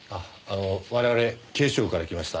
我々警視庁から来ました